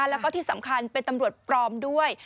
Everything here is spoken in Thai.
แล้วก็ที่สำคัญเป็นตำรวจปลอมด้วย